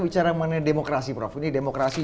bicara mengenai demokrasi prof ini demokrasi